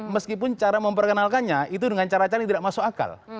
meskipun cara memperkenalkannya itu dengan cara cara yang tidak masuk akal